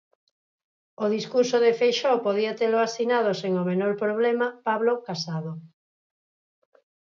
O discurso de Feixóo podía telo asinado sen o menor problema Pablo Casado.